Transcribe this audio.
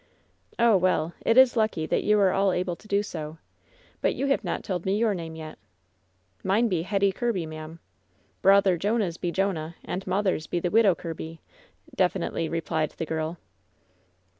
"Oh, well, it is lucky that you are all able to do so. But you have not told me your name yet." "Mine be Hetty Kirby, ma'am. Brawther Jonah's be Jonah, and mawther's be the Widow Kirby," defi nitely replied the girl.